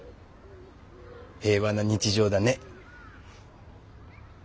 平和な日常だね。